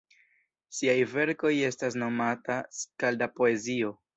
Siaj verkoj estas nomata skalda-poezio.